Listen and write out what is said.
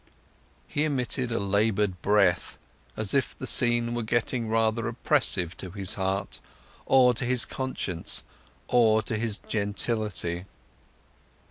He emitted a laboured breath, as if the scene were getting rather oppressive to his heart, or to his conscience, or to his gentility.